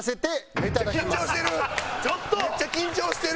めっちゃ緊張してる！